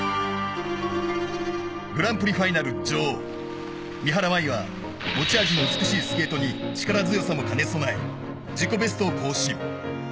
グランプリファイナル女王三原舞依は持ち味の美しいスケートに力強さも兼ね備え自己ベストを更新。